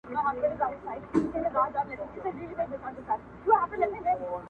مېړه يا نېکنام، يا بد نام، ورک دي سي دا نام نهام.